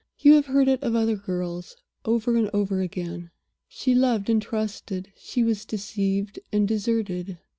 You have heard it of other girls, over and over again. She loved and trusted; she was deceived and deserted.